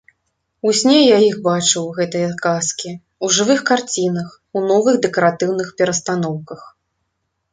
У сне я іх бачыў, гэтыя казкі, у жывых карцінах, у новых дэкаратыўных перастаноўках.